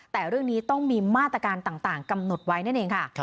แต่เรื่องนี้ต้องมีมาตรการต่างกำหนดไว้นั่นเองค่ะ